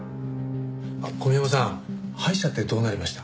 あっ小宮山さん歯医者ってどうなりました？